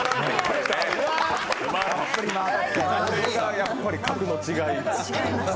やっぱり格の違い。